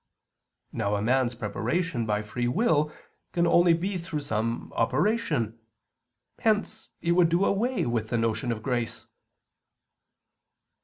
Now a man's preparation by free will can only be through some operation. Hence it would do away with the notion of grace.